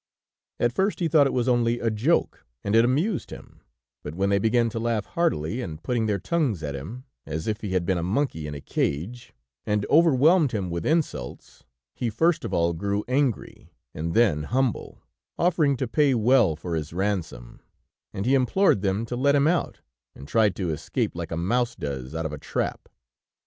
At first he thought it was only a joke, and it amused him; but when they began to laugh heartily and putting their tongues at him, as if he had been a monkey in a cage, and overwhelmed him with insults, he first of all grew angry, and then humble, offering to pay well for his ransom, and he implored them to let him out, and tried to escape like a mouse does out of a trap.